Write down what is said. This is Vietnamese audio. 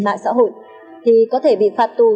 mạng xã hội thì có thể bị phạt tù